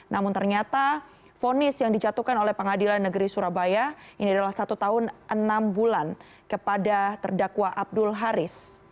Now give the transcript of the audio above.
namun ternyata fonis yang dijatuhkan oleh pengadilan negeri surabaya ini adalah satu tahun enam bulan kepada terdakwa abdul haris